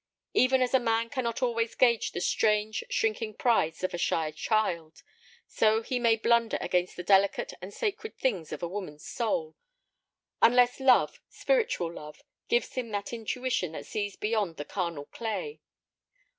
Even as a man cannot always gauge the strange, shrinking prides of a shy child, so he may blunder against the delicate and sacred things of a woman's soul, unless love, spiritual love, gives him that intuition that sees beyond the carnal clay.